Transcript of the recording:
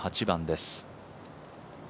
１８番です。